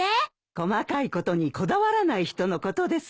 細かいことにこだわらない人のことですよ。